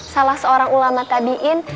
salah seorang ulama tabiin